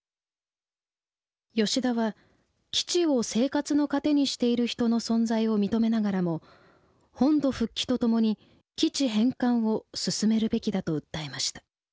吉田は基地を生活の糧にしている人の存在を認めながらも本土復帰とともに基地返還を進めるべきだと訴えました。